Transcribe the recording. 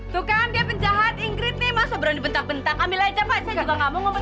tuh kan dia penjahat ingkrit nih masa berani bentak bentak ambil aja pak saya juga gak mau ngomong